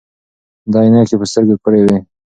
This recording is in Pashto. ده عینکې په سترګو کړې وې.